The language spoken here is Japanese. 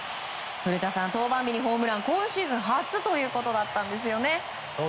古田さん、登板日にホームランは今シーズン初ということだったんですよね。